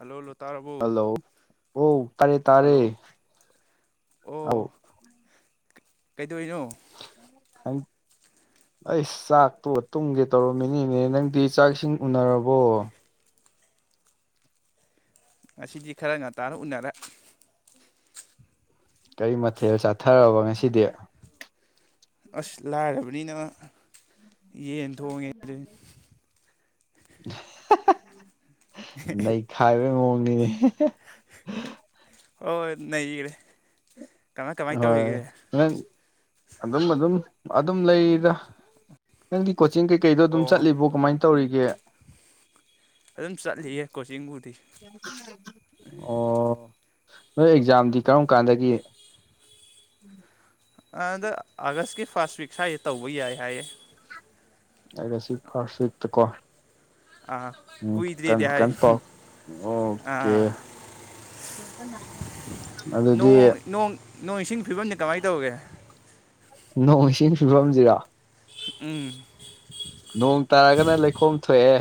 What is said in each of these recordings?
Hello hello ꯇꯥꯔꯕꯣ hello ꯑꯣ ꯇꯥꯔꯦ ꯇꯥꯔꯦ ꯍꯜꯂꯣ ꯑ ꯑꯣ ꯀꯩꯗꯧꯔꯤꯅꯣ ꯑꯩ ꯑꯩꯁ ꯆꯥꯛꯇꯣ ꯇꯨꯝꯒꯦ ꯇꯧꯔꯝꯃꯤꯅꯤꯅꯦ ꯅꯪꯗꯤ ꯆꯥꯛꯁꯤꯡ ꯎꯅꯔꯕꯣ꯫ ꯉꯁꯤꯗꯤ ꯈꯔ ꯉꯥꯟꯇꯥꯅ ꯎꯅꯔꯦ꯫ ꯀꯔꯤ ꯃꯊꯦꯜ ꯆꯥꯊꯔꯕ ꯉꯁꯤꯗꯤ꯫ ꯑꯁ ꯂꯥꯏꯔꯕꯅꯤꯅ ꯌꯦꯟ ꯊꯣꯡꯉꯦ ꯑꯗꯨꯅꯤ꯫ ꯅ ꯅꯩꯈꯥꯏꯕ ꯃꯑꯣꯡ [unintelligible] ꯑꯣ ꯅꯩꯒ꯭ꯔꯦ꯫ ꯍꯣꯏ ꯍꫭꯔꯦꯟ ꯑꯗꯨꯝ ꯑꯗꯨꯝ ꯑꯗꯨꯝ ꯂꯩꯗ ꯅꯪꯗꯤ ꯀꯣꯆꯤꯡ ꯀꯩꯀꯩꯗꯣ ꯑꯗꯨꯝ ꯑꯣ ꯆꯠꯂꯤꯕꯣ ꯀꯃꯥꯏꯅ ꯇꯧꯔꯤꯒꯦ꯫ ꯑꯗꯨꯝ ꯆꯠꯂꯤꯌꯦ ꯀꯣꯆꯤꯡꯕꯨꯗꯤ꯫ ꯑꯣ ꯅꯣꯏ ꯑꯦꯛꯖꯥꯝꯗꯤ ꯀꯔꯝ ꯀꯥꯟꯗꯒꯤ꯫ [inaudible] ꯑꯗ ꯑꯥꯒꯁꯀꯤ ꯐꯥꯔꯁ ꯋꯤꯛ ꯁ꯭ꯋꯥꯏꯁꯦ ꯇꯧꯕ ꯌꯥꯏ ꯍꯥꯏꯌꯦ꯫ ꯑꯒꯁꯀꯤ ꯐꯔꯁ ꯋꯤꯛꯇꯀꯣ꯫ ꯑꯥ ꯎꯝ ꯀꯨꯏꯗ꯭ꯔꯦꯗꯤ ꯍꯥꯏ ꯀꯟ-ꯀꯟ ꯄꯥꯎ ꯑꯣꯀꯦ꯫ ꯑꯥ [unintelligible] ꯑꯗꯨꯗꯤ ꯅꯣꯡ ꯅꯣꯡ ꯅꯣꯡ ꯏꯁꯤꯡ ꯐꯤꯕꯝꯅꯤ ꯀꯃꯥꯏ ꯇꯧꯏꯒꯦ꯫ ꯅꯣꯡ ꯏꯁꯤꯡ ꯐꯤꯕꯝꯁꯤꯔꫭ꯫ ꯎꯝ꯫ ꯅꯣꯡ ꯇꯥꯔꯒꯅ ꯂꯩꯈꯣꯝ ꯊꯣꯛꯑꯦ꯫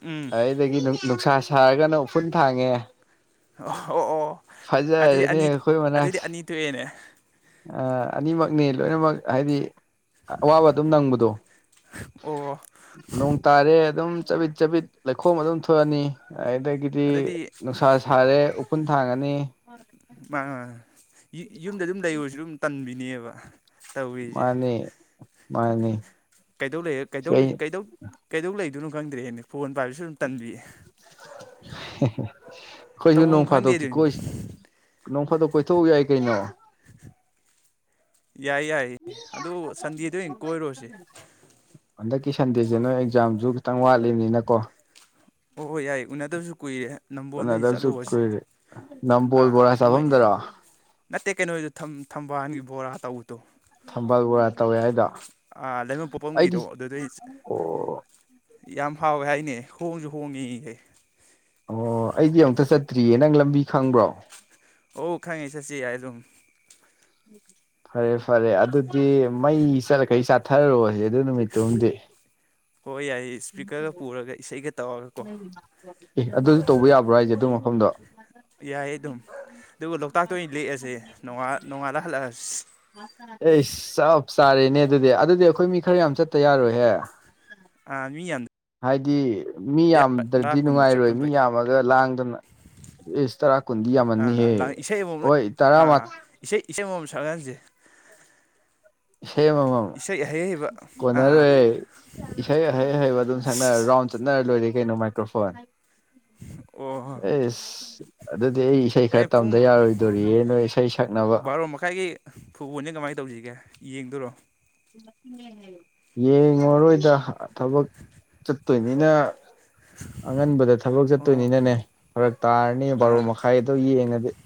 ꯎꯝ꯫ ꯑꯩꯗꯒꯤ ꯅꯨꯡꯁꯥ ꯁꯥꯔꯒꯅ ꯎꯐꯨꯜ ꯊꯥꯡꯉꯦ꯫ ꯑꫭ꯫ ꯐꯖꯔꯦꯅꯦ ꯑꯈꯣꯏ ꯑꯗꯨꯗꯤ ꯃꯅꯥꯛꯁꯤ꯫ ꯑꯅꯤ ꯊꯣꯛꯑꯦꯅꯦ ꯑ ꯑꯅꯤꯃꯛꯅꯤ ꯂꯣꯏꯅꯃꯛ ꯍꯥꯏꯗꯤ ꯑꯋꯥꯕ ꯑꯗꯨꯝ ꯅꯪꯕꯗꯣ꯫ ꯑꯣ ꯅꯣꯡ ꯇꯥꯔꯦ ꯑꯗꯨꯝ ꯆꯕꯤꯠ-ꯆꯕꯤꯠ ꯂꯩꯈꯣꯝ ꯑꯗꯨꯝ ꯊꯣꯛꯑꯅꯤ꯫ ꯑꯩꯗꯒꯤꯗꯤ ꯑꯗꯨꯗꯤ ꯅꯨꯡꯁꯥ ꯁꯥꯔꯦ ꯎꯐꯨꯟ ꯊꯥꯡꯉꯅꯤ [unintelligible] ꯌꯨ ꯌꯨꯝꯗ ꯑꯗꯨꯝ ꯂꯩꯔꯨꯔꯁꯨ ꯑꯗꯨꯝ ꯇꯟꯕꯤꯅꯦꯕ ꯇꯧꯔꯤꯁꯦ꯫ ꯃꯥꯥꯅꯦ꯫ ꯀꯩꯗꯧ ꯀꯩꯗꯧ ꯂꯩꯗꯣꯏꯅꯣ ꯈꯪꯗ꯭ꯔꯦꯅꯦ ꯐꯣꯟ ꯄꯥꯏꯕꯁꯨ ꯑꯗꯨꯝ ꯇꯥꯜꯕꯤ ꯍꯤ ꯍꯤ ꯑꯩꯈꯣꯏꯁꯨ ꯇꯧꯐꯝ ꯅꯣꯡ ꯈꯪꯗꯦ ꯐꯥꯗꯣꯛꯇꯤ ꯑꯗꯨꯅꯤ ꯀꯣꯏ ꯅꯣꯡ ꯐꯥꯗꯣꯛ ꯀꯣꯏꯊꯣꯛꯎꯨ ꯌꯥꯏ ꯀꯩꯅꯣ ꯌꯥꯏ ꯌꯥꯏ ꯑꯗꯨ ꯁꯟꯗꯦꯗꯥ ꯑꯣꯢꯅ ꯀꯣꯏꯔꯨꯔꯁꯦ ꯍꯟꯗꯛꯀꯤ ꯁꯟꯗꯦꯁꯦ ꯅꯣꯏ ꯑꯦꯛꯖꯥꯝꯁꯨ ꯈꯤꯇꯪ ꯋꯥꯠꯂꯤꯕꯅꯤꯅꯀꯣ ꯑꯣ ꯍꯣꯏ ꯌꯥꯏ ꯎꯅꯗꯕꯁꯨ ꯀꯨꯏꯔꯦ ꯅꯝꯕꯣꯟꯗꯩ ꯀꯣꯟꯅꯗꯕꯁꯨ ꯆꯠꯂꯨꯔꯁꯦ ꯑꯥ ꯃꯣꯏ ꯭ꯔ ꯅꯠꯇꯦ ꯀꯩꯅꯣꯗ ꯊꯝꯕꯥꯟꯒꯤ ꯕꯣꯔꯥ ꯇꯧꯗꯦ ꯊꯝꯕꯥꯜ ꯕꯣꯔꯥ ꯇꯧꯋꯦ ꯍꯥꯏꯗꯣ ꯑꯥ ꯂꯩꯃ ꯑꯩꯗꯤ ꯄꯣꯛꯐꯝꯒꯤꯗꯣ ꯑꯗꯨꯗꯩ ꯑꯣ ꯌꯥꯝ ꯍꯥꯎꯋꯦ ꯍꯥꯏꯅꯦ ꯍꯣꯡꯁꯨ ꯍꯣꯡꯉꯤꯅꯦ꯫ ꯑꯣ ꯑꯩꯗꯤ ꯑꯃꯨꯛꯇ ꯆꯠꯇ꯭ꯔꯤꯌꯦ ꯅꯪ ꯂꯝꯕꯤ ꯈꯪꯕ꯭ꯔꯣ꯫ ꯑꯣ ꯈꯪꯉꯦ ꯆꯠꯁꯤ ꯌꯥꯏ ꯑꯗꯨꯝ꯫ ꯐꯔꯦ-ꯐꯔꯦ ꯑꯗꯨꯗꯤ ꯃꯩ ꯆꯠꯂ ꯀꯩ ꯆꯥꯊꯔꯣꯍꯦ꯫ ꯑꯗꯨ ꯅꯨꯃꯤꯠꯇꯨ ꯃꯗꯤ꯫ ꯍꯣꯏ ꯌꯥꯏꯌꯦ ꯏꯁꯄꯤꯀꯔꯒ ꯄꯨꯔꯒ ꯏꯁꯩꯒ ꯇꯧꯔꯒꯀꯣ꯫ ꯐꯝꯗꫭ ꯌꯥꯏ ꯑꯗꯨꯝ ꯑꯗꯨꯒ ꯂꯣꯛꯇꯥꯛꯇ ꯑꯣꯏꯅ ꯂꯦꯛꯑꯁꯦ ꯅꫭꯡꯉꯥꯜꯂ ꯅꯣꯡꯉꯥꯜꯂ ꯍꯜꯂꯛꯑꯁꯤ꯫ ꯑꯩꯁ ꯆꯥꯞ ꯆꯥꯔꯦꯅꯦ ꯑꯗꯨꯗꯤ ꯑꯗꯨꯗꯤ ꯑꯩꯈꯣꯏ ꯃꯤ ꯈꯔ ꯌꯥꯝ ꯆꯠꯇ ꯌꯥꯔꯣꯏꯍꯦ꯫ ꯑ ꯃꯤ ꯌꯥꯝ ꯍꯥꯏꯗꯤ ꯃꯤ ꯌꯥꯝꯗ꯭ꯔꯗꯤ ꯇꯔꯥ ꯀꯨꯟꯃꯨꯛ ꯅꯨꯡꯉꯥꯏꯔꯣꯏ ꯆꯠꯄ ꯃꯤ ꯐꯩ ꯌꯥꯝꯃꯒ ꯂꯥꯡꯗꯅ ꯏꯁ ꯇꯔꯥ ꯀꯨꯟꯗꯤ ꯌꯥꯝꯃꯥꯟꯅꯤꯍꯦ ꯏꯁꯩ ꯑꯃꯃꯝ ꯑꯣꯏ ꯇꯔꯥ ꯑꯥ ꯃꯊꯣꯢ ꯎ ꯏꯁꯩ ꯏꯁꯩ ꯑꯃꯃꯝ [unintelligible] ꯁꯛꯍꯟꯁꯦ ꯏꯁꯩ ꯑꯃꯃꯝ ꯏꯁꯩ ꯑꯍꯩ ꯑꯍꯩꯕ ꯑꯥ ꯀꯣꯟꯅꯔꯣꯏꯌꯦ ꯏꯁꯩ ꯑꯍꯩ ꯍꯩꯍꯩꯕ ꯑꯗꯨꯝ ꯁꯛꯅꯔꯔꯣꯏ ꯔꯥꯎ ꯆꯠꯅꯔ ꯂꯣꯏꯔꯦ ꯀꯩꯅꯣ ꯃꯥꯏꯀ꯭ꯔꯣꯐꯣꯟ ꯑꯣ ꯑꯦꯁ ꯑꯗꯨꯗꯤ ꯑꯩ ꯏꯁꯩ ꯍꯣꯔꯦꯟ ꯈꯔ ꯄꯨꯡ ꯇꯝꯗ ꯌꯥꯔꯣꯏꯗꯣꯔꯤꯌꯦ ꯅꯣꯏ ꯏꯁꯩ ꯁꯥꯛꯅꯕ ꯕꯥꯔꯣ ꯃꯈꯥꯏꯒꯤ ꯐꯨꯠꯕꯣꯜꯁꯦ ꯀꯃꯥꯏꯅ ꯇꯧꯁꯤꯒꯦ ꯌꯦꯡꯗꯣꯏꯔꯣ ꯌꯦꯡꯉꯔꯣꯏꯗ ꯊꯕꯛ ꯆꯠꯇꯣꯏꯅꯤꯅ ꯑꯉꯟꯕꯗ ꯊꯕꯛ ꯑꯣ ꯆꯠꯇꯣꯏꯅꯤꯅꯅꯦ ꯐꯔꯛ ꯇꯥꯔꯅꯤ ꯕꯥꯔꯣ ꯑꯥ ꯃꯈꯥꯏ ꯑꯗꯨ ꯌꯦꯡꯉꯗꯤ [unintelligible]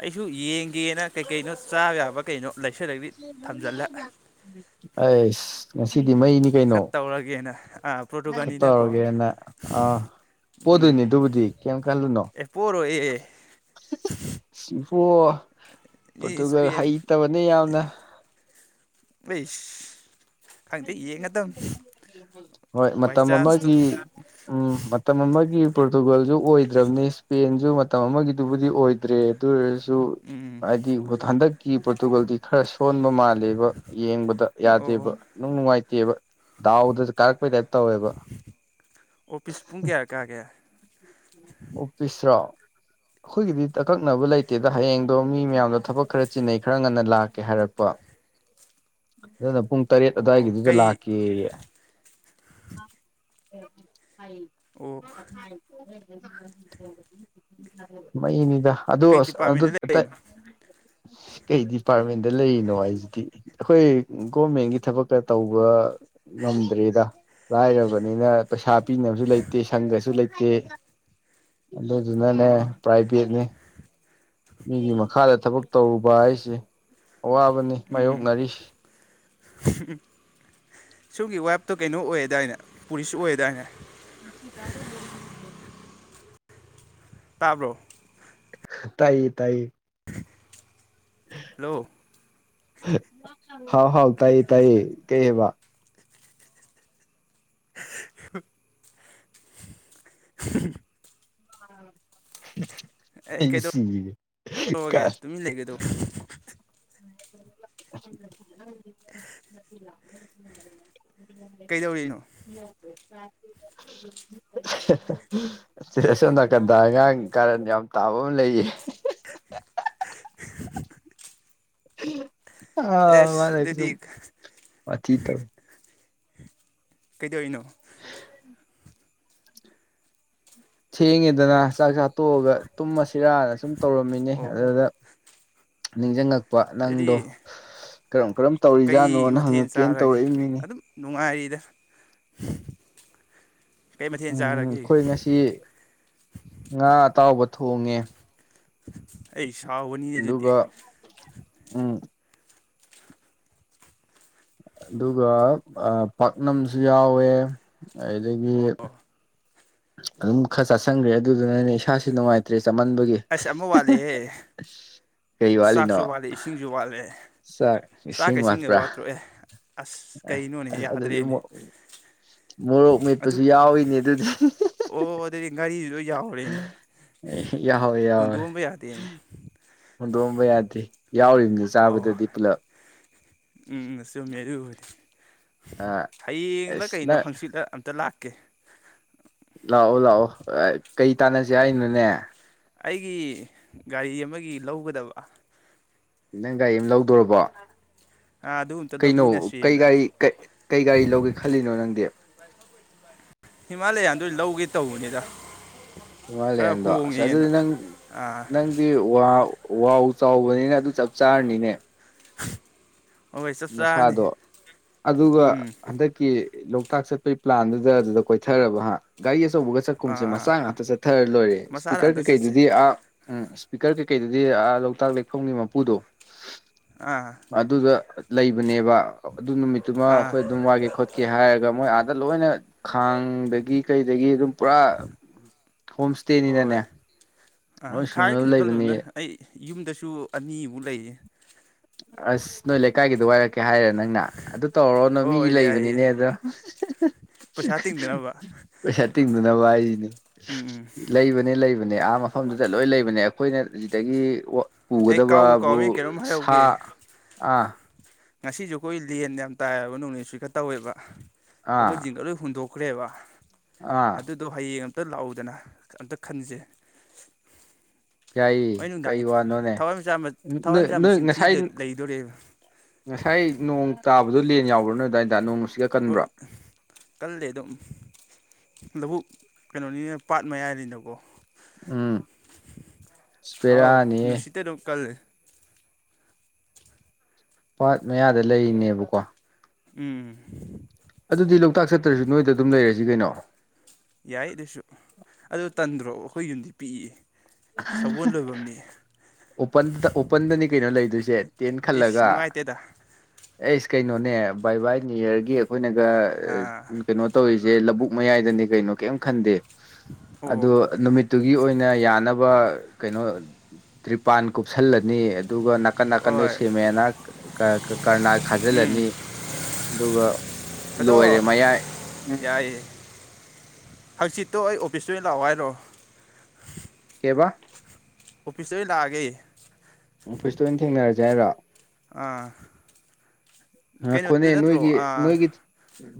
ꯑꯩꯁꯨ ꯌꯦꯡꯒꯦꯅ ꯀꯩ ꯀꯩꯅꯣ ꯆꯥꯕ ꯌꯥꯕ ꯀꯩꯅꯣ ꯂꯩꯁꯤꯜꯂꯒꯗꯤ ꯊꯝꯖꯤꯜꯂꯦ ꯑꯁ ꯉꯁꯤ ꯗꯤ ꯃꯩꯅꯤ ꯀꯩꯅꯣ ꯈꯔ ꯇꯧꯔꯒꯦꯅ ꯑꯥ ꯄꯣꯔꯇꯨꯒꯥꯜꯅꯤꯅꯀꯣ ꯈꯔꯥꯇꯧꯔꯒꯦꯅ ꯑꯥ ꯕꯣꯗꯣꯏꯅꯤ ꯗꯨꯕꯨꯗꯤ ꯀꯤꯝ ꯈꯥꯜꯂꯨꯅꯣ ꯑꯣꯏꯌꯦ ꯑꯣ ꯄꯣꯔꯇꯨꯒꯜ ꯍꯩꯇꯕꯅꯦ ꯌꯥꯝꯅ ꯑꯁ ꯍꯣꯏ ꯕꯥꯏ ꯃꯇꯝ ꯆꯥꯟꯁꯇꯣ ꯑꯃꯒꯤ ꯎꯝ ꯃꯇꯝ ꯑꯃꯥꯒꯤ ꯄꯣꯔꯇꯨꯒꯜꯁꯨ ꯑꯣꯏꯗ꯭ꯔꯕꯅꯤ ꯏꯁꯄꯦꯟꯁꯨ ꯃꯇꯝ ꯑꯃꯒꯤꯗꯨꯕꯨꯗꯤ ꯑꯣꯏꯗ꯭ꯔꯦ ꯑꯗꯨ ꯑꯣꯏꯔꯁꯨ ꯎꯝ ꯍꯥꯏꯗꯤ ꯍꯟꯗꯛꯀꯤ ꯄꯣꯔꯇꯨꯒꯜꯗꯤ ꯈꯔ ꯁꯣꯟꯕ ꯃꯥꯜꯂꯦꯕ ꯌꯦꯡꯕꯗ ꯑꯣ ꯌꯥꯗꯦꯕ ꯅꯨꯡ ꯅꯨꯡꯉꯥꯏꯇꯦꯕ ꯗꯥꯎꯗ ꯀꯥꯔꯛꯄꯩ ꯇꯧꯋꯦꯕ ꯑꯣꯐꯤꯁ ꯄꯨꯡ ꯀꯌꯥꯗ ꯀꯥꯒꯦ ꯑꯣꯐꯤꯁꯔꯣ ꯑꯩꯈꯣꯏꯒꯤꯗꯤ ꯑꯀꯛꯅꯕ ꯂꯩꯇꯦꯗ ꯍꯌꯦꯡꯗꯣ ꯃꯤ ꯃꯌꯥꯝꯗꯣ ꯊꯕꯛ ꯈꯔ ꯆꯤꯟꯅꯩ ꯈꯔ ꯉꯟꯅ ꯂꯥꯛꯀꯦ ꯍꯥꯏꯔꯛꯄ [inaudible] ꯑꯗꯨꯅ ꯄꯨꯡ ꯇꯔꯦꯠ ꯑꯣ ꯑꯗꯨꯋꯥꯏꯒꯤꯗꯨꯗ ꯀꯩ ꯂꯥꯛꯀꯦꯌꯦ ꯑꯣ ꯃꯩꯅꯤꯗ ꯑꯗꯨ ꯀꯩ ꯑꯁ ꯑꯗꯨ ꯗꯤꯄꯥꯔꯠꯃꯦꯟꯗ ꯑꯇ ꯂꯩꯔꯤꯅꯣ ꯀꯩ ꯗꯤꯄꯥꯔꯠꯃꯦꯟꯗ ꯂꯩꯔꯤꯅꯣ ꯍꯥꯏꯁꯤꯗꯤ ꯑꯩꯈꯣꯏ ꯒꯣꯔꯃꯦꯟꯒꯤ ꯊꯕꯛꯀ ꯇꯧꯕ ꯉꯝꯗ꯭ꯔꯦꯗ ꯂꯥꯏꯔꯕꯅꯤꯅ ꯄꯩꯁꯥ ꯄꯤꯅꯕꯁꯨ ꯂꯩꯇꯦ ꯁꯪꯒꯁꯨ ꯂꯩꯇꯦ ꯑꯗꯨꯗꯨꯅꯅꯦ ꯑꯥ ꯄ꯭ꯔꯥꯏꯚꯦꯠꯅꯦ ꯃꯤꯒꯤ ꯃꯈꯥꯗ ꯊꯕꯛ ꯇꯧꯔꯨꯕ ꯍꯥꯏꯁꯦ ꯑꯋꯥꯕꯅꯤ ꯎꯝ ꯃꯥꯌꯣꯛꯅꯔꯤꯁꯤ ꯁꯣꯝꯒꯤ ꯋꯥꯏꯞꯇꯣ ꯀꯩꯅꯣ ꯑꯣꯏ ꯑꯗꯥꯏꯅꯦ ꯄꯨꯔꯤꯁ ꯑꯣꯏ ꯑꯗꯥꯏꯅꯦ [inaudible] ꯇꯥꯕ꯭ꯔꯣ ꯇꯥꯏꯌꯦ ꯇꯥꯏꯌꯦ ꯍꯂꯣ ꯍꯥꯎ ꯍꯥꯎ ꯇꯥꯏꯌꯦ ꯇꯥꯏꯌꯦ ꯀꯩ ꯍꯥꯏꯕ [inaudible] [inaudible] ꯑꯦ ꯑꯩ ꯁꯤꯔꯦ ꯀꯩꯗꯧꯔꯒꯦ ꯇꯨꯃꯤꯟ ꯂꯩꯒꯗꯧ [unintelligible] [inaudible] ꯀꯩꯗꯧꯔꯤꯅꯣ [inaudible] ꯑꯁꯣꯝ ꯅꯥꯀꯟꯗ ꯑꯉꯥꯡ ꯀꯥꯔꯟ ꯌꯥꯝ ꯇꯥꯕ ꯑꯃ ꯂꯩꯌꯦ [inaudible] ꯑꯥ ꯑꯦꯁ ꯃꯥꯅꯁꯨ ꯑꯗꯨꯝ ꯑꯗꯨꯗꯤ ꯋꯥꯊꯤ ꯇꯧ ꯀꯩꯗꯣꯢꯅꯣ ꯊꯦꯡꯉꯦꯗꯅ ꯆꯥꯛ ꯆꯥ ꯇꯣꯛꯑꯒ ꯇꯨꯝꯃꯁꯤꯔꯥꯅ ꯁꯨꯝ ꯇꯧꯔꯝꯃꯤꯅꯦ ꯑꯣ ꯑꯗꯨꯗ ꯅꯤꯡꯖꯤꯡꯉꯛꯄ ꯅꯪꯗꯣ ꯑꯗꯨꯗꯤ ꯀꯔꯝ ꯀꯔꯝ ꯀꯩ ꯇꯧꯔꯤꯖꯥꯠꯅꯣꯅ ꯃꯊꯦꯜ ꯍꯪꯉꯛꯀꯦꯅ ꯆꯥꯔꯒꯦ ꯇꯧꯔꯛ ꯏꯕꯅꯤꯅꯦ ꯑꯗꯨꯝ ꯅꯨꯡꯉꯥꯏꯔꯤꯗ ꯀꯩ ꯃꯊꯦꯜ ꯎꯝ ꯆꯥꯔꯒꯦ ꯑꯩꯈꯣꯏ ꯉꯁꯤ ꯉꯥ ꯑꯇꯥꯎꯕ ꯊꯣꯡꯉꯦ ꯑꯩꯏ ꯁꯥꯎꯒꯅꯤ ꯑꯗꯨꯗꯤ ꯑꯗꯨꯒ ꯎꯝ ꯑꯗꯨꯒ ꯄꯥꯛꯅꯝꯁꯨ ꯌꯥꯎꯋꯦ ꯑꯗꯨꯗꯒꯤ ꯑꯣ ꯑꯗꯨꯝ ꯈꯔ ꯆꯥꯁꯟꯈ꯭ꯔꯦ ꯑꯗꯨꯗꯨꯅꯅꯦ ꯏꯁꯥꯁꯤ ꯅꯨꯡꯉꯥꯏꯇ꯭ꯔꯦ ꯆꯃꯟꯕꯒꯤ ꯑꯁ ꯑꯃ ꯍꯥ ꯍꯥ ꯋꯥꯠꯂꯦꯍꯦ ꯀꯩ ꯋꯥꯠꯂꯤꯅꯣ ꯆꯥꯛꯁꯨ ꯋꯥꯠꯂꯦ ꯏꯁꯤꯡꯁꯨ ꯋꯥꯠꯂꯦ ꯆꯥꯛ ꯆꯥꯛꯀ ꯏꯁꯤꯡ ꯏꯁꯤꯡꯒ ꯋꯥꯠꯄ꯭ꯔꯥ ꯋꯥꯠꯇ꯭ꯔꯣ ꯑꯦ ꯑꯁ ꯀꯩꯅꯣꯅꯦ ꯑꯗꯨꯗꯤ ꯌꯥꯗ꯭ꯔꯦꯅꯦ ꯃꯨꯛ ꯃꯣꯔꯣꯛ ꯑꯗꯨ ꯃꯦꯠꯄꯁꯨ ꯌꯥꯎꯏꯤꯅꯦ ꯑꯗꯨꯗꯤ ꯑꯣ ꯑꯗꯨꯗꯤ ꯉꯥꯔꯤꯁꯨ ꯂꫭꯏ ꯌꯥꯎꯔꯦꯅꯦ ꯌꯥꯍꯧꯋꯦ ꯌꯥꯎꯋꯦ ꯍꯨꯟꯗꯣꯛꯑꯝꯕ ꯌꯥꯗꯦꯅꯦ ꯍꯨꯟꯗꯣꯛꯑꯝꯕ ꯌꯥꯗꯦ ꯌꯥꯎꯔꯤꯕꯅꯤ ꯑꯣ ꯆꯥꯕꯗꯨꯗꯤ ꯄꯨꯂꯞ ꯎꯝ ꯆꯨꯝꯃꯦ ꯑꯗꯨꯕꯨꯗꯤ ꯑ ꯍꯌꯦꯡꯂꯥ ꯑꯁ ꯀꯩꯅꯣ ꯅꯪ ꯍꯪꯆꯤꯠꯂ ꯑꯝꯇ ꯂꯥꯛ ꯀꯦ ꯂꯥꯛꯑꯣ ꯂꯥꯛꯑꯣ ꯑ ꯀꯩ ꯇꯥꯟꯅꯁꯦ ꯍꯥꯏꯅꯣꯅꯦ ꯑꯩꯒꯤ ꯒꯥꯔꯤ ꯑꯃꯒꯤ ꯂꯧꯒꯗꯕ ꯅꯪ ꯒꯥꯔꯤ ꯑꯃ ꯂꯧꯗꫭꯔꯕꯣ ꯑꯥ ꯑꯗꯨ ꯑꯝꯇ ꯀꯩꯅꯣ ꯀꯩ ꯂꯧꯃꯤꯟꯅꯁꯦꯅ ꯒꯥꯔꯤ ꯀꯩ ꯒꯥꯔꯤ ꯂꯧꯒꯦ ꯈꯜꯂꯤꯅꯣ ꯅꯪꯗꯤ ꯍꯤꯃꯥꯂꯌꯥꯟꯗꫭ ꯑꯣꯏ ꯂꯧꯒꯦ ꯇꯧꯕꯅꯤꯗ ꯈꯔ ꯍꯤꯃꯥꯂꯦꯌꯥꯟꯗꯣ ꯑꯁ ꯍꯣꯡꯉꯦꯅ ꯑꯗꯨꯗꯤ ꯅꯪ ꯑꯥ ꯅꯪꯗꯤ ꯋꯥ ꯋꯥꯎ ꯆꯥꯎꯕꯅꯤꯅ ꯑꯗꯨ ꯆꯞ ꯆꯥꯔꯅꯤꯅꯦ [inaudible] ꯆꯥꯔꯅꯤ ꯅꯁꯥꯗꯣ ꯑꯗꯨꯒ ꯎꯝ ꯍꯟꯗꯛꯀꯤ ꯂꯣꯛꯇꯥꯛ ꯆꯠꯄꯒꯤ ꯄ꯭ꯂꯥꯟꯗꯨꯗ ꯑꯗꯨꯗ ꯀꯣꯏꯊꯔꯕ ꯍꯥ ꯒꯥꯔꯤ ꯑꯆꯧꯕꯒ ꯆꯥꯛꯀꯨꯝꯁꯦ ꯑꯥ ꯑꯥ ꯃꯆꯥ ꯉꯥꯛꯇ ꯆꯠꯊꯔ ꯂꯣꯏꯔꯦ ꯃꯆꯥꯗ ꯏꯁꯄꯤꯀꯔ ꯑꯝꯇ ꯆꯠꯁꯦ ꯀꯩꯀꯩꯗꯨꯗꯤ ꯑ ꯎ ꯏꯁꯄꯤꯀꯔ ꯀꯩꯀꯩꯗꯨꯗꯤꯥ ꯂꯣꯛꯇꯥꯛ ꯂꯦꯛꯐꯝꯒꯤ ꯃꯄꯨꯗꯣ ꯑꯥ ꯑꯗꯨꯗ ꯂꯩꯕꯅꯦꯕ ꯑꯗꯨ ꯅꯨꯃꯤꯠꯇꯨꯃꯥ ꯑꯥ ꯑꯩꯈꯣꯏ ꯑꯗꯨꯝ ꯋꯥꯒꯦ ꯈꯣꯠꯀꯦ ꯍꯥꯏꯔꯒ ꯃꯣꯏ ꯑꯥꯗ ꯂꯣꯏꯅ ꯈꯥꯡꯗꯒꯤ ꯀꯩꯗꯒꯤ ꯑꯗꯨꯝ ꯄꯨꯔꯥ ꯍꯣꯝ ꯏ꯭ꯁꯇꯦꯅꯤꯅꯅꯦ ꯑ ꯈꯥꯏꯔ ꯀꯩꯁꯨ ꯈꯜꯂꯨꯅꯨꯗ ꯑꯩ ꯌꯨꯝꯗꯁꯨ ꯑꯅꯤꯃꯨꯛ ꯂꯩꯌꯦ ꯑꯁ ꯅꯣꯏ ꯂꯩꯀꯥꯏꯒꯤꯗꯣ ꯋꯥꯏꯔꯛꯀꯦ ꯍꯥꯏꯔꯅꯤ ꯅꯪꯅ ꯑꯗꯨ ꯇꯧꯔꯣꯅꯣ ꯃꯤꯒꯤ ꯍꯣꯏ ꯌꯥꯏꯌꯦ ꯂꯩꯕꯅꯤꯅꯦ ꯑꯗꯣ ꯄꯩꯁꯥ ꯇꯤꯡꯗꯅꯕ ꯄꯩꯁꯥ ꯇꯤꯡꯗꯅꯕ ꯍꯥꯏꯁꯤꯅꯤ ꯎꯝ ꯎꯝ ꯂꯩꯕꯅꯦ ꯂꯩꯕ ꯅꯦ ꯑꯥ ꯃꯐꯝꯗꯨꯗ ꯂꯣꯏ ꯂꯩꯕꯅꯦ ꯑꯩꯈꯣꯏꯅ ꯁꯤꯗꯒꯤ ꯑꯩ ꯀꯥꯎꯕꯨ ꯄꯨꯒꯗꯕꯕꯨ ꯀꯥꯎꯃꯤ ꯀꯩꯅꯣꯝ ꯑ ꯍꯥꯏꯍꯧꯒꯦ ꯑꯥ ꯉꯁꯤꯁꯨ ꯑꯩꯈꯣꯏ ꯂꯦꯟ ꯌꯥꯝ ꯇꯥꯏꯌꯦꯕ ꯅꯣꯡꯂꯩ ꯅꯨꯡꯁꯤꯠꯀꯥ ꯇꯧꯋꯦꯕ ꯑꯩꯈꯣꯏ ꯑꯥ ꯖꯤꯡꯒꯒꯥ ꯂꯣꯏ ꯍꯨꯟꯗꯣꯛ ꯊꯣꯛꯈ꯭ꯔꯦꯕ ꯑꯥ ꯑꯗꯨꯗꯣ ꯍꯌꯦꯡ [unintelligible] ꯑꯝꯇ ꯂꯥꯛꯑꯣꯗꯅ ꯑꯝꯇ ꯈꯟꯖꯦ ꯌꯥꯏꯌꯦ ꯍꯨꯔꯦ ꯅꯨꯡꯗꯥꯡꯗꯤ ꯀꯩ ꯋꯥꯅꯣꯅꯦ ꯊꯋꯥꯏ ꯃꯤꯆꯥ ꯃꯠ ꯊꯋꯥꯏ ꯅꯣꯏ ꯃꯤꯆꯥ ꯅꯣꯏ ꯃꯁꯤꯡ ꯊꯤ ꯉꯁꯥꯏ ꯂꯩꯗꯣꯔꯦꯕ ꯉꯁꯥꯏ ꯅꯣꯡ ꯇꯥꯕꯗꯣ ꯂꯦꯟ ꯌꯥꯎꯕ꯭ꯔ ꯅꯣꯏ ꯑꯗꯥꯏꯗ ꯅꯣꯡ ꯅꯨꯡꯁꯤꯠꯀ ꯀꯟꯕ꯭ꯔꯣ ꯑꯣꯏ ꯀꯜꯂꯦ ꯑꯗꯨꯝ ꯂꯧꯕꯨꯛ ꯀꯩꯅꯣꯅꯤꯅꯦ ꯄꯥꯠ ꯃꯌꯥꯏꯅꯤꯅꯕꯀꯣ ꯎꯝ ꯍꯥꯎ ꯄꯦꯔꯥꯅꯤꯍꯦ ꯅꯨꯡꯁꯤꯠꯇ ꯑꯗꯨꯝ ꯀꯜꯂꯦ ꯄꯥꯠ ꯃꯌꯥꯗ ꯂꯩꯔꯤꯅꯦꯕꯀꯣ ꯎꯝ ꯑꯗꯨꯗꯤ ꯂꯣꯛꯇꯥꯛ ꯆꯠꯇ꯭ꯔꯁꯨ ꯅꯣꯏꯗ ꯑꯗꯨꯝ ꯂꯩꯔꯁꯤ ꯀꯩꯅꯣ ꯌꯥꯏ ꯑꯗꯨꯁꯨ ꯑꯗꯨ ꯇꯟꯗ꯭ꯔꯣ ꯑꯩꯈꯣꯏ ꯌꯨꯝꯗꯤ ꯄꯤꯛꯏ ꯁꯒꯣꯜ ꯂꯣꯏꯚꯝꯅꯤ ꯑꯣꯄꯟꯗ ꯑꯣꯄꯟꯗꯅꯤ ꯀꯩꯅꯣ ꯂꯩꯗꯣꯏꯁꯦ ꯇꯦꯟ ꯈꯜꯂꯒ ꯏꯁ ꯅꯨꯡꯉꯥꯏꯇꯦꯗ ꯑꯦꯁ ꯀꯩꯅꯣꯅꯦ ꯕꯥꯏ ꯕꯥꯏ ꯅꯤꯌꯨꯏ ꯌ꯭ꯔꯒꯤ ꯑꯩꯈꯣꯏꯅꯒ ꯑꯥ ꯀꯩꯅꯣ ꯇꯧꯔꯤꯁꯦ ꯂꯧꯕꯨꯛ ꯃꯌꯥꯏꯗꯅꯤ ꯀꯩꯅꯣ ꯀꯩꯝ ꯈꯟꯗꯦ ꯑꯗꯣ ꯑꯣ ꯅꯨꯃꯤꯠꯇꯨꯒꯤ ꯑꯣꯏꯅ ꯌꯥꯅꯕ ꯀꯩꯅꯣ ꯇ꯭ꯔꯤꯄꯥꯟ ꯀꯨꯞꯁꯜꯂꯅꯤ ꯑꯗꯨꯒ ꯅꯥꯀꯟ ꯅꯥꯀꯟꯗꯣ ꯍꯣꯏ ꯁꯦꯝꯃꯦꯅ ꯀꯔꯅꯥꯜ ꯎꯝ ꯈꯥꯖꯤꯜꯂꯅꯤ ꯑꯗꯨꯒ ꯂꯣꯏꯔꯦ ꯑꯗꯣ ꯃꯌꯥꯏ ꯎꯝ ꯌꯥꯏꯌꯦ ꯍꯪꯆꯤꯠꯇꯣ ꯑꯩ ꯑꯣꯐꯤꯁꯇꯩ ꯑꯣꯏꯅ ꯂꯥꯛꯑꯣ ꯍꯥꯏꯔꯣ ꯀꯩꯕ ꯑꯣꯐꯤꯁꯇꯩ ꯑꯣꯏ ꯂꯥꯛꯑꯒꯦ ꯖꯦꯔꯥ [unintelligible] ꯑꯥ ꯉꯥꯏꯈꯣꯅꯦ ꯀꯩꯅꯣꯗ ꯅꯠꯇ꯭ꯔꯣ ꯅꯣꯏꯒꯤ ꯑꯥ ꯅꯣꯏꯒꯤ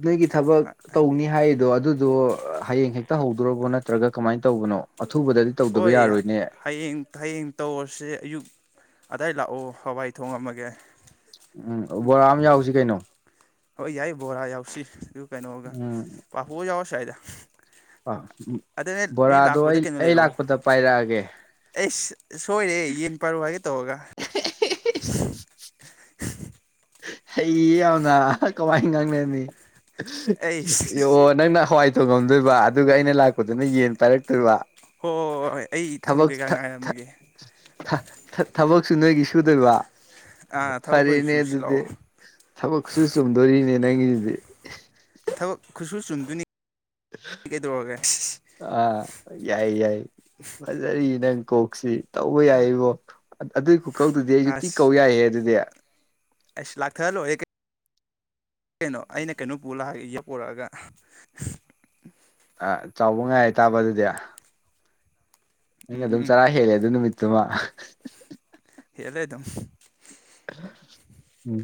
ꯅꯣꯏꯒꯤ ꯊꯕꯛ ꯇꯧꯅꯤ ꯍꯥꯏꯗꯣ ꯑꯗꯨꯗꯣ ꯍꯌꯦꯡ ꯍꯦꯛꯇ ꯍꯧꯗꯣꯔꯕꯣ ꯅꯠꯇ꯭ꯔꯒ ꯀꯃꯥꯏꯅ ꯇꯧꯕꯅꯣ ꯑꯊꯨꯕꯗꯗꯤ ꯇꯧꯗꯕ ꯍꯣꯏ ꯌꯥꯔꯣꯏꯅꯦ ꯍꯌꯦꯡ ꯍꯌꯦꯡ ꯇꯧꯔꯁꯦ ꯑꯌꯨꯛ ꯑꯗꯥꯏ ꯂꯥꯛꯑꯣ ꯍꯋꯥꯏ ꯊꯣꯡ ꯉꯝꯃꯒꯦ ꯎꯝ ꯕꯣꯔꯥ ꯑꯃ ꯌꯥꯎꯁꯤ ꯀꯩꯅꯣ ꯍꯣꯏ ꯌꯥꯏ ꯕꯣꯔꯥ ꯌꯥꯎꯁꯤ ꯑꯗꯨ ꯀꯩꯅꯣꯒ ꯄꯥꯐꯣꯔ ꯌꯥꯎꯔꯁꯨ ꯌꯥꯏꯗ ꯑ ꯑꯗ ꯅꯣꯏ ꯅꯣꯏ ꯕꯣꯔꯥꯗꯣ ꯂꯥꯛꯄꯗ ꯑꯩ ꯀꯩꯅꯣ ꯑꯩ ꯂꯩꯔꯛꯑꯣ ꯂꯥꯛꯄꯗ ꯄꯥꯏꯔꯛꯑꯒꯦ ꯑꯩꯁ ꯁꯣꯏꯔꯦꯍꯦ ꯌꯦꯟ ꯄꯥꯏꯔꯛꯑꯣ ꯍꯥꯏꯒꯦ ꯇꯧꯔꯒ ꯍꯩꯌꯦ ꯌꯥꯝꯅ ꯀꯃꯥꯏ ꯉꯥꯡꯅꯅꯤ ꯑꯩꯁ ꯑꯣ ꯅꯪꯅ ꯍꯋꯥꯏ ꯇꯣꯡꯉꯝꯗꯣꯏꯕ ꯑꯗꯨꯒ ꯑꯩꯅ ꯂꯥꯛꯄꯗꯨꯅ ꯌꯦꯟ ꯄꯥꯏꯔꯛꯇꯣꯏꯕ ꯍꯣꯏ ꯍꯣꯏ ꯍꯣꯏ ꯑꯩ ꯊꯨꯝ ꯊꯕꯛ ꯀꯩꯀꯥ ꯉꯥꯏꯔꯝꯃꯒꯦ ꯊꯕꯛ [unintelligible] ꯑꯗꯨꯁꯨ ꯅꯣꯏꯒꯤ ꯁꯨꯗꯣꯏꯕ ꯑꯥ ꯊꯕꯛ ꯑꯩꯈꯣꯏ ꯐꯔꯦꯅꯦ ꯁꯨꯁꯤ ꯂꯥꯛꯑꯣ ꯊꯕꯛꯁꯨ ꯆꯨꯝꯗꯣꯔꯤꯅꯦ ꯅꯪꯒꯤꯁꯤꯗꯤ ꯊꯕꯛ ꯈꯨꯠꯁꯨ ꯆꯨꯝꯗꯨꯣꯏꯅꯤ ꯑꯥ ꯌꯥꯏ ꯌꯥꯏ ꯐꯖꯔꯤ ꯅꯪ ꯀꯣꯛꯁꯤ ꯇꯧꯕ ꯌꯥꯏ ꯏꯕꯣ ꯑꯗꯨꯏ ꯈꯨꯀꯧꯗꯨꯗꯤ ꯑꯩꯁꯨ ꯊꯤ ꯑꯁ ꯀꯧ ꯌꯥꯏꯍꯦ ꯑꯗꯨꯗꯤ ꯑꯁ ꯂꯥꯛꯊꯔꯥ ꯂꯣꯏꯔꯦ ꯀꯩꯅꯣ ꯑꯩꯅ ꯀꯩꯅꯣꯝ ꯄꯨꯔ ꯂꯛꯑꯒ ꯌꯦ ꯄꯨꯣꯔꯛꯑ [unintelligible] ꯒ ꯑꯥ ꯆꯥꯎꯕ ꯉꯥꯏ ꯇꯥꯕ ꯑꯗꯨꯗꯤ ꯅꯪ ꯎꯝ ꯎꯝ ꯑꯗꯨꯝ ꯎꯝ ꯆꯔꯥ ꯍꯦꯜꯂꯦ ꯑꯗꯨ ꯅꯨꯃꯤꯠꯇꯨꯃ ꯍꯗꯥꯏꯗꯝ ꯎꯝ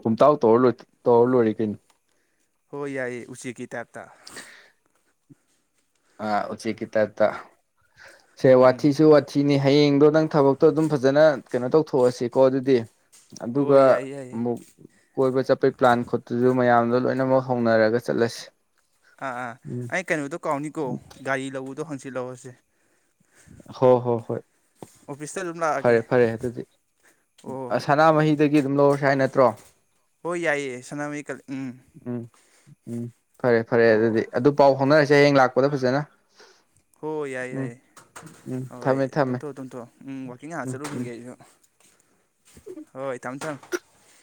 ꯄꯨꯝꯇꯥꯎ ꯇꯧꯔ ꯇꯧꯔ ꯂꯣꯏꯔꯦ ꯀꯩꯅꯣ ꯍꯣꯏ ꯌꯥꯏꯌꯦ ꯎꯆꯦꯛꯀꯤ ꯇꯥꯏꯞꯇ ꯑꯥ ꯎꯆꯦꯛꯀꯤ ꯇꯥꯏꯞꯇ ꯁꯦ ꯎꯝ ꯎꯝ ꯋꯥꯊꯤꯁꯨ ꯋꯥꯊꯤꯅꯤ ꯍꯌꯦꯡꯗꯣ ꯅꯪ ꯊꯕꯛꯇꯣ ꯑꯗꯨꯝ ꯐꯖꯅ ꯀꯩꯅꯣ ꯇꯧꯊꯣꯛꯑꯁꯤꯀꯣ ꯑꯗꯨꯗꯤ ꯑꯗꯨꯒ ꯍꯣꯏ ꯌꯥꯏꯌꯦ ꯌꯥꯏꯌꯦ ꯑꯃꯨꯛ ꯀꯣꯏꯕ ꯆꯠꯄꯩ ꯄ꯭ꯂꯥꯟ ꯈꯣꯠꯇꯁꯨ ꯃꯌꯥꯝ ꯑꯗꯣ ꯂꯣꯏꯅꯃꯛ ꯍꯧꯅꯔꯒ ꯆꯠꯂꯁꯤ ꯑꯥ ꯑꯥ ꯎꯝ ꯑꯩ ꯀꯩꯅꯣꯗꯣ ꯀꯥꯎꯅꯤꯀꯣ ꯒꯥꯔꯤ ꯂꯧꯕꯗꯣ ꯍꯪꯆꯤꯜꯍꯧꯔꯁꯦ ꯍꯣ ꯍꯣ ꯍꯣꯏ ꯑꯣꯐꯤꯁꯇ ꯑꯗꯨꯝ ꯂꯥꯛꯑꯒꯦ ꯐꯔꯦ ꯐꯔꯦ ꯑꯗꯨꯗꯤ ꯍꯣꯏ ꯁꯅꯥꯃꯍꯤꯗꯒꯤ ꯑꯗꯨꯝ ꯂꯧꯔꯁꯤ ꯍꯥꯏ ꯅꯠꯇ꯭ꯔꯣ ꯍꯣꯏ ꯌꯥꯏꯌꯦ ꯁꯅꯥꯃꯍꯤ ꯀ ꯎꯝ ꯎꯝ ꯎꯝ ꯐꯔꯦ ꯐꯔꯦ ꯑꯗꯨꯗꯤ ꯑꯣ ꯑꯗꯨ ꯄꯥꯎ ꯐꯥꯎꯅꯔꯁꯦ ꯍꯌꯦꯡ ꯂꯥꯛꯄꯗ ꯐꯖꯅ ꯍꯣ ꯌꯥꯏꯌꯦ ꯎꯝ ꯌꯥꯏꯌꯦ ꯎꯝ ꯍꯣꯏ ꯊꯝꯃꯦ ꯊꯝꯃꯦ ꯇꯨꯝꯊꯣꯛꯑꯣ ꯇꯨꯝꯊꯣꯛꯑꯣ ꯎꯝ ꯋꯥꯀꯤꯡ ꯉꯥꯍꯥꯛ ꯎꯝ ꯎꯝ ꯆꯠꯂꯨꯒꯤꯒꯦ ꯑꯩꯁꯨ ꯍꯣꯏ ꯊꯝꯃꯦ ꯊꯝꯃꯦ